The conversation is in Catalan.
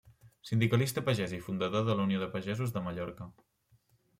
Sindicalista pagès i fundador de la Unió de Pagesos de Mallorca.